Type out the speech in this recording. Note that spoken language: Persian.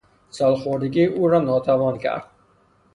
سالخوردگی او را ناتوان کرد.